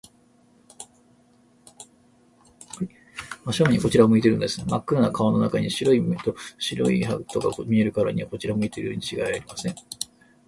真正面にこちらを向いているのです。まっ黒な顔の中に、白い目と白い歯とが見えるからには、こちらを向いているのにちがいありません。